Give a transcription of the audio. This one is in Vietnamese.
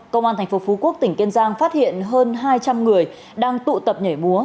công an thành phố phú quốc tỉnh kiên giang phát hiện hơn hai trăm linh người đang tụ tập nhảy múa